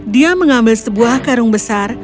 dia mengambil sebuah karung besar